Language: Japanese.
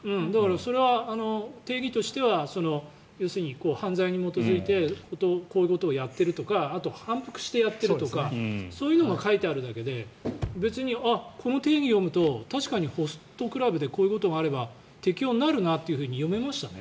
それは定義としては要するに、犯罪に基づいてこういうことをやってるとかあと反復してやってるとかそういうのが書いてるだけで別に、この定義を読むと確かにホストクラブでこういうことがあれば適用になるなと読めましたね。